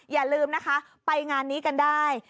อย่าลืมนะคะไปงานนี้กันได้